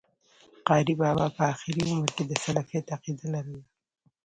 قاري بابا په آخري عمر کي د سلفيت عقيده لرله